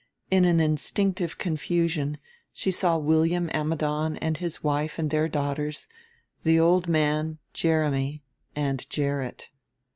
In an instinctive confusion she saw William Ammidon and his wife with their daughters, the old man, Jeremy, and Gerrit.